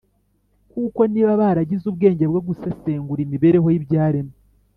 kuko, niba baragize ubwenge bwo gusesengura imibereho y’ibyaremwe,